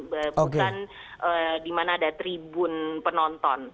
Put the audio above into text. bukan di mana ada tribun penonton